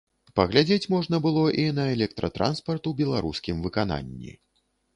Паглядзець можна было і на электратранспарт у беларускім выкананні.